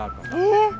え？